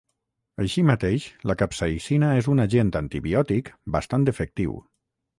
Així mateix, la capsaïcina és un agent antibiòtic bastant efectiu.